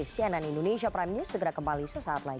cnn indonesia prime news segera kembali sesaat lagi